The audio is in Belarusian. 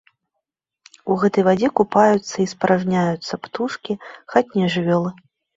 У гэтай вадзе купаюцца і спаражняцца птушкі, хатнія жывёлы.